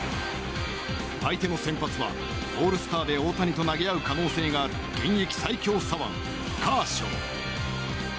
相手の先発はオールスターで大谷と投げ合う可能性のある現役最強左腕、カーショウ。